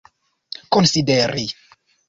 konsideri